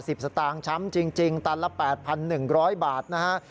สตางค์ช้ำจริงจริงตันละ๘๑๐๐บาทนะฮะ